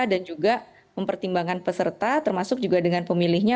dan juga mempertimbangkan peserta termasuk juga dengan pemilihnya